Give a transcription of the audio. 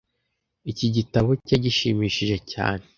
Iki gitabo cyari gishimishije cyane.